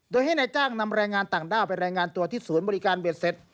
โดยให้นายจ้างนำแรงงานต่างด้าวไปรายงานตัวที่ศูนย์บริการเบ็ดเสร็จ